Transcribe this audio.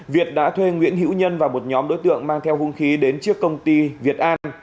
việt đã thuê nguyễn hữu nhân và một nhóm đối tượng mang theo hung khí đến trước công ty việt an